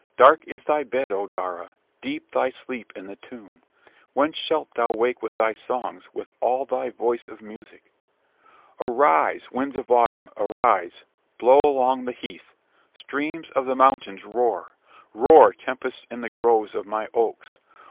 Dark is thy bed, O Daura! deep thy sleep in the tomb! When shalt thou wake with thy songs? with all thy voice of music? "Arise, winds of autumn, arise: blow along the heath. Streams of the mountains, roar; roar, tempests in the groves of my oaks!